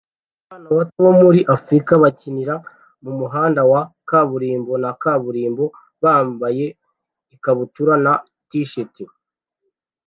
Abana bato bo muri Afrika bakinira mumuhanda wa kaburimbo na kaburimbo bambaye ikabutura na t-shati